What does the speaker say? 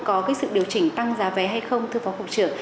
có sự điều chỉnh tăng giá vé hay không thưa phó phục trưởng